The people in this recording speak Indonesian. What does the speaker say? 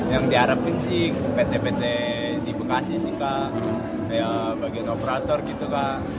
yang diharapkan sih pt pt di bekasi sih kak bagian operator gitu kak